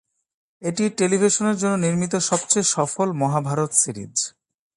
এটি টেলিভিশনের জন্য নির্মিত সবচেয়ে সফল মহাভারত সিরিজ।